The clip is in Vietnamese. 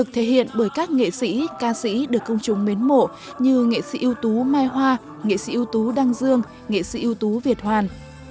thể hiện bởi các nghệ sĩ ca sĩ được công chúng mến mộ như nghệ sĩ ưu tú mai hoa nghệ sĩ ưu tú đăng dương nghệ sĩ ưu tú việt hoàn